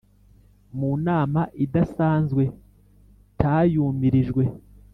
mu nama idasanzwe tayumirijwe